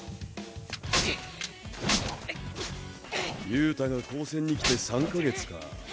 憂太が高専に来て３か月か。